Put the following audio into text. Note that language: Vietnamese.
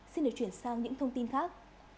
xin được chuyển sang những thông tin khác